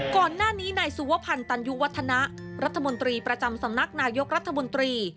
ก่อนหน้านี้นายสุวพันธ์ตันยุวัฒนะรัฐมนตรีประจำสำนักนายกรัฐมนตรี